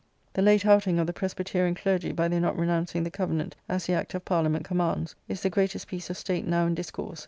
The late outing of the Presbyterian clergy by their not renouncing the Covenant as the Act of Parliament commands, is the greatest piece of state now in discourse.